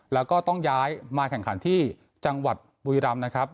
แล้วก็ต้องย้ายมาแข่งขันที่จังหวัดบุรีรำนะครับ